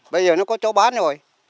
bây giờ nó có chỗ bán rồi